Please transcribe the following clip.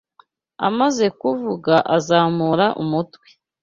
Amaze kuvuga, azamura umutwe